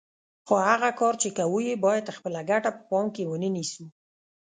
خو هغه کار چې کوو یې باید خپله ګټه په پام کې ونه نیسو.